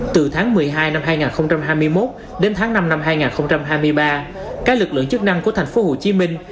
từ tháng một mươi hai năm hai nghìn hai mươi một đến tháng năm năm hai nghìn hai mươi ba các lực lượng chức năng của thành phố hồ chí minh